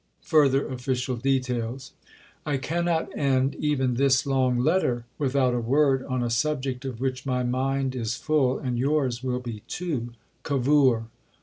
[Further official details.] I cannot end even this long letter without a word on a subject of which my mind is full and yours will be too Cavour.